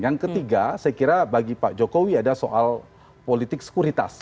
yang ketiga saya kira bagi pak jokowi ada soal politik sekuritas